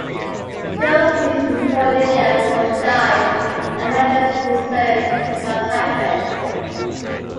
Giles meets with Cordelia before she dies and manages to discern what has happened.